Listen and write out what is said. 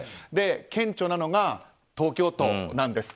顕著なのが東京都なんです。